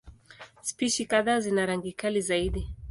Spishi kadhaa zina rangi kali zaidi.